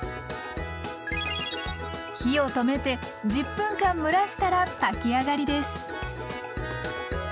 火を止めて１０分間蒸らしたら炊きあがりです。